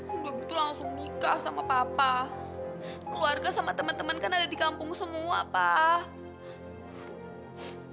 udah gitu langsung nikah sama papa keluarga sama teman teman kan ada di kampung semua pak